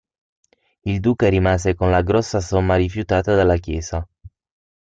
Il duca rimase con la grossa somma rifiutata dalla Chiesa.